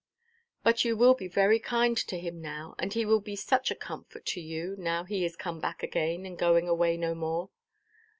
"But you will be very kind to him now; and he will be such a comfort to you, now he is come back again, and going away no more."